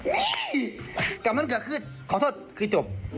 เฮ้ยก็มันแค่คือขอโทษคือจบ